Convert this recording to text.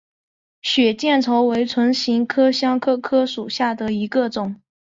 血见愁为唇形科香科科属下的一个种。